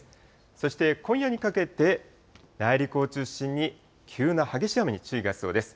そして今夜にかけて、内陸を中心に、急な激しい雨に注意が必要です。